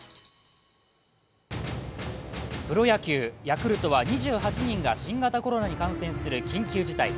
プロ野球、ヤクルトは２８人が新型コロナに感染する緊急事態。